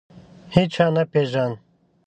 هیچا نه پېژاند.